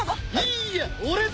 いいや俺だ！